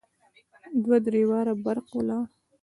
دوه درې واره برق ولاړ.